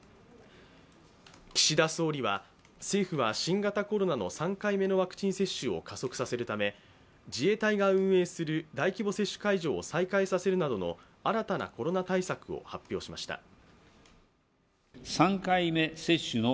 岸田総理は、政府は新型コロナの３回目のワクチン接種を加速させるため自衛隊が運営する大規模接種会場を再開させるなどの新たなコロナ対策を発表しました。